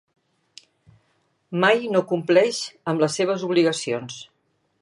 Mai no compleix amb les seves obligacions.